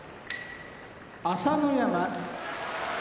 朝乃山